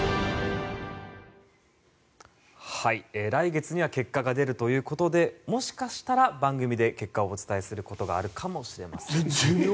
来月には結果が出るということでもしかしたら番組で結果をお伝えすることがどうなるの。